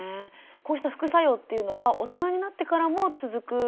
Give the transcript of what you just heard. こうした副作用っていうのは大人になってからも続く方もいるんですか？